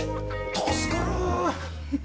助かる！